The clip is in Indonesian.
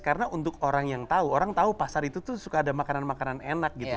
karena untuk orang yang tahu orang tahu pasar itu tuh suka ada makanan makanan enak gitu